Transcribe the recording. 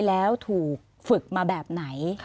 แล้วถูกฝึกมาแบบไหน